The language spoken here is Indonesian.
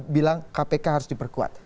bilang kpk harus diperkuat